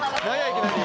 いきなり。